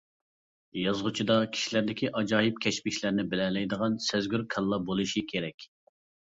يازغۇچىدا كىشىلەردىكى ئاجايىپ كەچمىشلەرنى بىلەلەيدىغان سەزگۈر كاللا بولۇشى كېرەك.